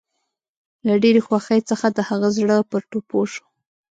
له ډېرې خوښۍ څخه د هغه زړه پر ټوپو شو